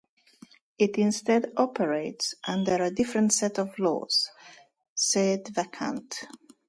It instead operates under a different set of laws "sede vacante".